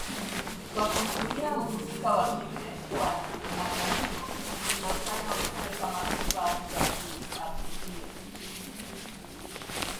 Kwa kumtumia mhusika wa kike kwa namna hiyo kunamfanya aonekane kama kifaa cha kuadhibia